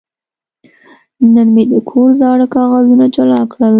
نن مې د کور زاړه کاغذونه جلا کړل.